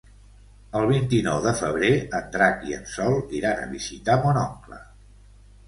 El vint-i-nou de febrer en Drac i en Sol iran a visitar mon oncle.